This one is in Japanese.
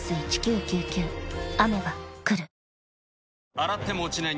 洗っても落ちない